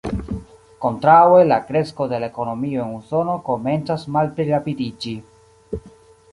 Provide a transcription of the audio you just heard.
Kontraŭe la kresko de la ekonomio en Usono komencas malplirapidiĝi.